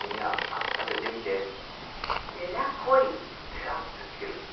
「でら」ってつけるんですよ。